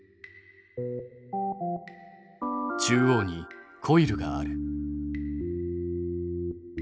中央にコイルがある。